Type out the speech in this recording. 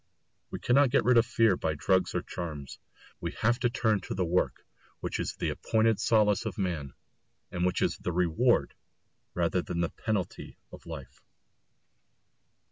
We cannot get rid of fear by drugs or charms; we have to turn to the work which is the appointed solace of man, and which is the reward rather than the penalty of life.